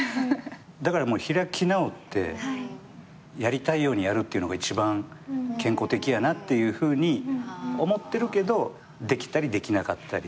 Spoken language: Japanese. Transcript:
だからもう開き直ってやりたいようにやるってのが一番健康的やなっていうふうに思ってるけどできたりできなかったりっていう。